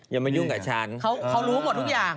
อย่ามายุ่งกับฉันเขารู้หมดทุกอย่าง